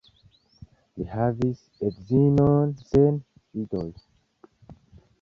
Li havis edzinon sen idoj.